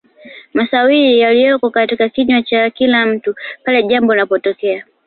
Masawli yaliyoko katika kinywa cha kila mtu pale jambo linapotokea